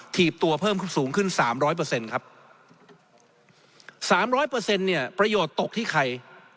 ๒๕๖๓ถีบตัวเพิ่มสูงขึ้น๓๐๐ครับ๓๐๐เนี่ยประโยชน์ตกที่ใคร